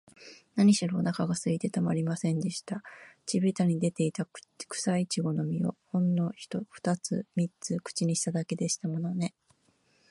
なにしろ、おなかがすいてたまりませんでした。地びたに出ていた、くさいちごの実を、ほんのふたつ三つ口にしただけでしたものね。